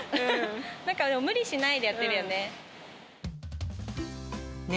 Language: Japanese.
なんか無理しないでやってるよね。